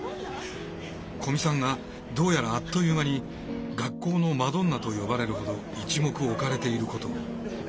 古見さんがどうやらあっという間に学校のマドンナと呼ばれるほど一目置かれていることを。